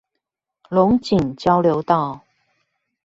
龍井交流道